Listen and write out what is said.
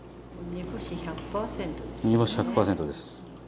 煮干し１００％です。